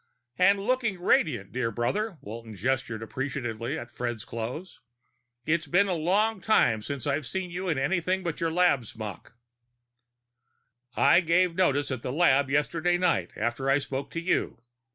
"And looking radiant, my dear brother." Walton gestured appreciatively at Fred's clothes. "It's been a long time since I've seen you in anything but your lab smock." "I gave notice at the lab yesterday, night after I spoke to you.